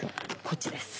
こっちです。